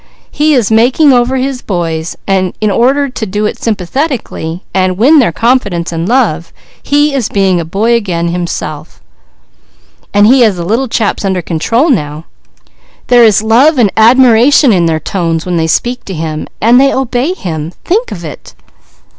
He is making over his boys and in order to do it sympathetically, and win their confidence and love, he is being a boy himself again. He has the little chaps under control now. There are love and admiration in their tones when they speak to him, while they obey him. Think of it!"